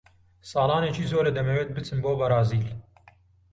ساڵانێکی زۆرە دەمەوێت بچم بۆ بەرازیل.